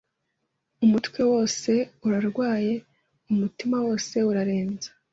umutwe wose urarwaye, umutima wose urarabye,